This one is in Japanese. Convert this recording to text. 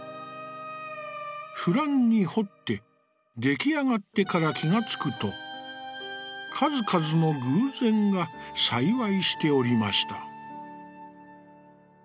不乱に彫って、出来上がってから気がつくと、数々の偶然が幸いしておりました」。